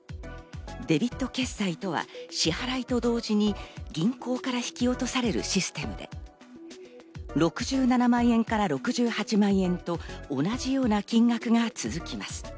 デビット決済とは支払いと同時に銀行から引き落とされるシステムで、６７万円から６８万円と同じような金額が続きます。